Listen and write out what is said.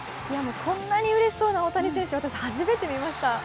こんなにうれしそうな大谷選手、私初めて見ました。